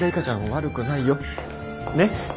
悪くないよ。ね。